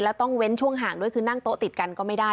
แล้วต้องเว้นช่วงห่างด้วยคือนั่งโต๊ะติดกันก็ไม่ได้